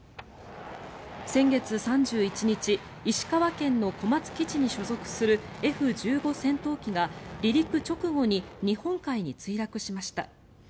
先月３１日石川県の小松基地に所属するＦ１５戦闘機が離陸直後に日本海に墜落しました。